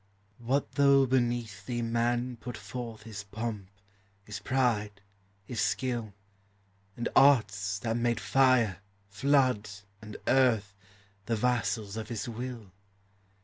What though beneath thee man put forth His pomp, his pride, his skill ; And arts that made fire, flood, and earth The vassals of his will?